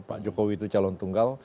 pak jokowi itu calon tunggal